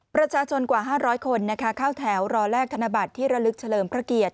ประชาชนกว่า๕๐๐คนเข้าแถวรอแลกธนบัตรที่ระลึกเฉลิมพระเกียรติ